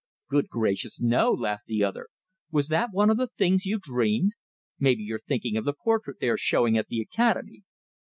"Good gracious, no!" laughed the other. "Was that one of the things you dreamed? Maybe you're thinking of the portrait they are showing at the Academy."